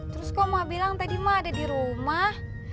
terus kok mak bilang tadi mak ada di rumah